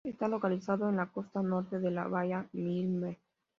Está localizado en la costa norte de la Bahía Milne.